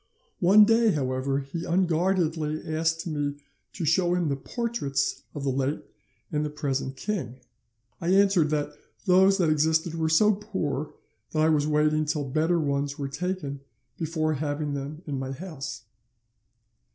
"'One day, however, he unguardedly asked me to show him the portraits of the late and the present king. I answered that those that existed were so poor that I was waiting till better ones were taken before having them in my house.